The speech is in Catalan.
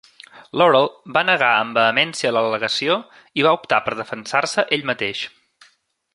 Laurel va negar amb vehemència l'al·legació i va optar per defensar-se ell mateix.